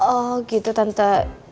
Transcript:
oh gitu tante